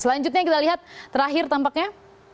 selanjutnya kita lihat terakhir tampaknya